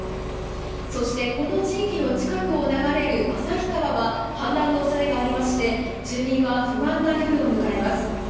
そしてこの地域の近くを流れる旭川は氾濫の恐れがありまして住民は不安な夜を迎えます。